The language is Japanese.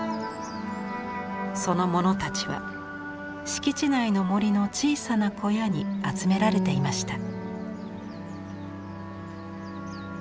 その物たちは敷地内の森の小さな小屋に集められていました。